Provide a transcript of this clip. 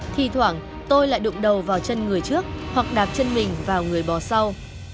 thi thoảng tôi lại đụng đầu vào chân người trước hoặc đạp chân mình vào người bò sau